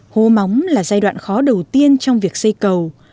hố móng là giai đoạn khó đầu tiên trong việc xây cầu